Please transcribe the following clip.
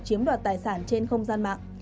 chiếm đoạt tài sản trên không gian mạng